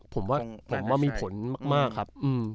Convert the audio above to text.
ผมว่ามีผลมากครับ